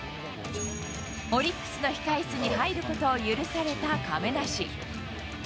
オリックスの控え室に入ることを許された亀梨。